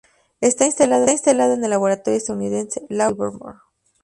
Está instalado en el laboratorio estadounidense Lawrence Livermore.